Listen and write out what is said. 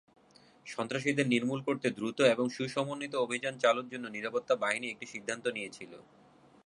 সন্ত্রাসীদের নির্মূল করতে দ্রুত এবং সু-সমন্বিত অভিযান চালুর জন্য নিরাপত্তা বাহিনী একটি সিদ্ধান্ত নিয়েছিল।